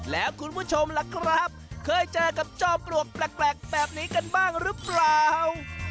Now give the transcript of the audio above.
แล้วคุณผู้ชมล่ะครับเคยเจอกับจอมปลวกแปลกแบบนี้กันบ้างหรือเปล่า